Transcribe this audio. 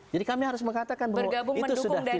jadi kami harus mengatakan bahwa itu sudah final